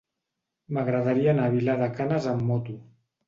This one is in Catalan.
M'agradaria anar a Vilar de Canes amb moto.